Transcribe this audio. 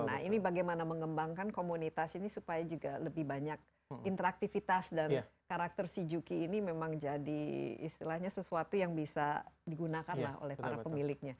nah ini bagaimana mengembangkan komunitas ini supaya juga lebih banyak interaktifitas dan karakter si juki ini memang jadi istilahnya sesuatu yang bisa digunakan lah oleh para pemiliknya